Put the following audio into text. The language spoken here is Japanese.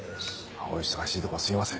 お忙しいところすいません。